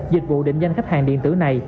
dịch vụ định danh khách hàng điện tử này